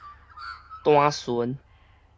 單巡